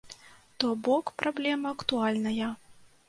То бок праблема актуальная.